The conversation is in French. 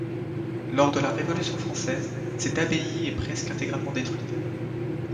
Lors de la Révolution française, cette abbaye est presque intégralement détruite.